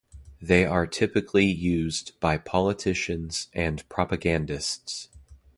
They are typically used by politicians and propagandists.